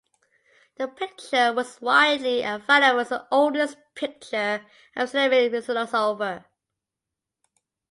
The picture, which is widely available, is the oldest picture of an Islamic philosopher.